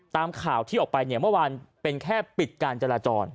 ตามข่าวที่ออกไปเนี่ยเมื่อวานเป็นแค่ปิดการจราจร